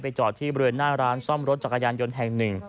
จอดที่บริเวณหน้าร้านซ่อมรถจักรยานยนต์แห่งหนึ่ง